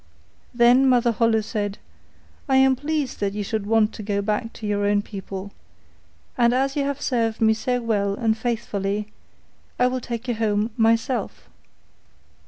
Then Mother Holle said, 'I am pleased that you should want to go back to your own people, and as you have served me so well and faithfully, I will take you home myself.